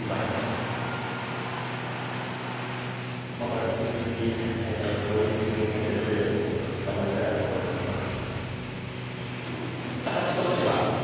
また引き続き、いいピッチングを見せれるように、頑張りたいなと思っています。